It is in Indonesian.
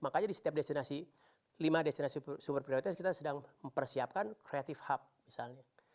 makanya di setiap destinasi lima destinasi sumber prioritas kita sedang mempersiapkan creative hub misalnya